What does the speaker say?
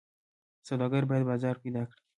سوداګر باید بازار پیدا کړي.